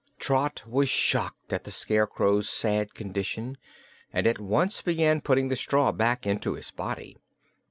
Trot was shocked at the Scarecrow's sad condition and at once began putting the straw back into his body.